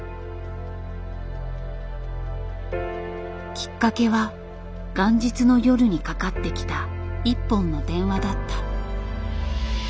きっかけは元日の夜にかかってきた１本の電話だった。